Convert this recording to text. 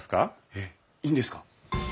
えっいいんですか？